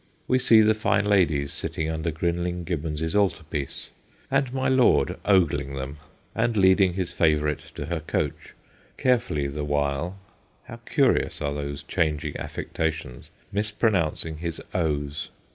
We see the fine ladies sitting under Grinling Gibbons's altar piece, and my lord ogling them, and leading his favourite to her coach, carefully the while how curious are those changing affectations mispronouncing his o's.